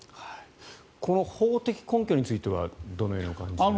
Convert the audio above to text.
この法的根拠についてはどのように感じていますか？